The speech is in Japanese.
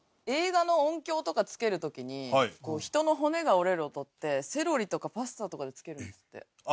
映画の音響とか付ける時に人の骨が折れる音ってセロリとかパスタとかで付けるんですって。